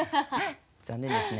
残念ですね。